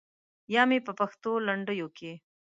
یا مې په پښتو لنډیو کې.